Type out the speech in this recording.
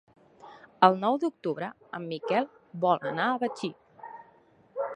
El nou d'octubre en Miquel vol anar a Betxí.